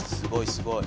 すごい。